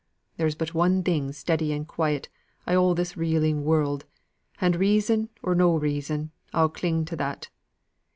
There's but one thing steady and quiet i' all this reeling world, and, reason or no reason, I'll cling to that.